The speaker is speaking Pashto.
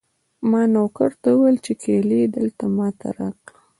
ما نوکر ته وویل چې کیلي دلته ما ته راکړه.